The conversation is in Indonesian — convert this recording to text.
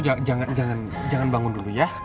jangan jangan jangan bangun dulu ya